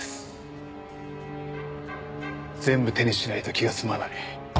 全部手にしないと気が済まない。